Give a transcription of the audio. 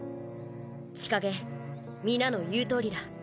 千景皆の言うとおりだ。